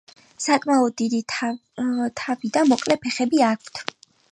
საკმაოდ დიდი თავი და მოკლე ფეხები აქვთ.